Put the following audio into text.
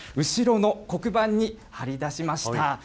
後ろの黒板に張り出しました。